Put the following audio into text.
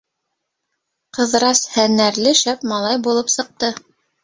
Ҡыҙырас һәнәрле, шәп малай булып сыҡты.